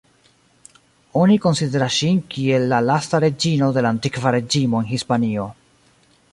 Oni konsideras ŝin kiel la lasta reĝino de la Antikva Reĝimo en Hispanio.